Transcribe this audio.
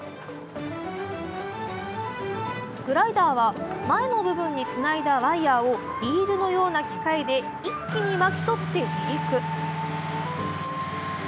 グライダーは前の部分につないだワイヤをリールのような機械で一気に巻き取って、離陸。